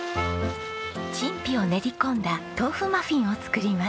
陳皮を練り込んだ豆腐マフィンを作ります。